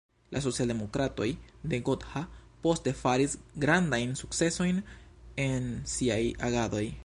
La socialdemokratoj de Gotha poste faris grandajn sukcesojn en siaj agadoj.